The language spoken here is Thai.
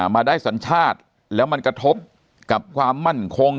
มาได้สัญชาติแล้วมันกระทบกับความมั่นคง